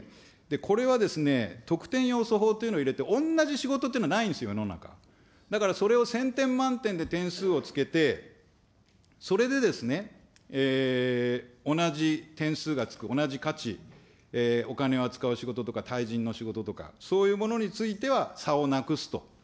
これは得点要素法というのを入れて、おんなじ仕事っていうのは、ないんですよ、世の中、だからそれを１０００点満点で点数をつけて、それで、同じ点数がつく、同じ価値、お金を扱う仕事とか、対人の仕事とか、そういうものについては、差をなくすと。